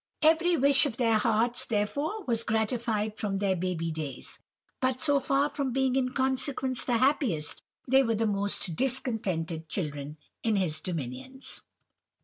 "Every wish of their hearts, therefore, was gratified from their baby days; but so far from being in consequence the happiest, they were the most discontented children in his dominions.